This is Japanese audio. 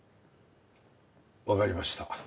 わかりました。